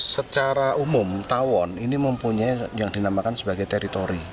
secara umum tawon ini mempunyai yang dinamakan sebagai teritori